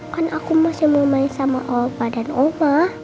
kan aku masih mau main sama oba dan oba